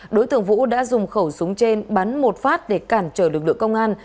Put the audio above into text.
đối tượng vũ đã dùng khẩu súng trên bắn một phát để cản trở lực lượng công an